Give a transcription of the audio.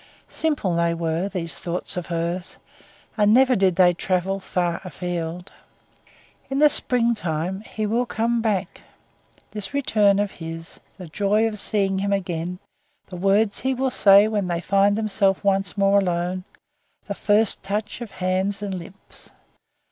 Simple they were, these thoughts of hers, and never did they travel far afield. In the springtime he will come back; this return of his, the joy of seeing him again, the words he will say when they find themselves once more alone, the first touch of hands and lips.